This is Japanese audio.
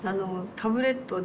タブレットで？